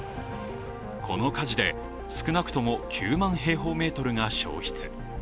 この火事で少なくとも９万平方メートルが焼失。